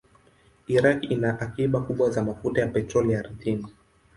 Iraq ina akiba kubwa za mafuta ya petroli ardhini.